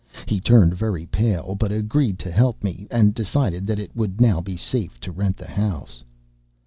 He turned very pale, but agreed to help me, and decided that it would now be safe to rent the house.